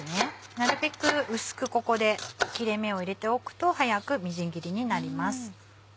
なるべく薄くここで切れ目を入れておくと早くみじん切りになります。